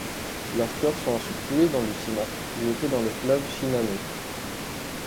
Leurs corps sont ensuite coulés dans du ciment puis jetés dans le fleuve Shinano.